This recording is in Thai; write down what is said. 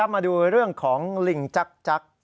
มาดูเรื่องของลิงจักร